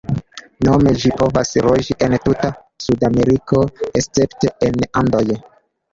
Nome ĝi povas loĝi en tuta Sudameriko, escepte en Andoj.